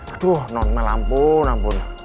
aduh non male ampun ampun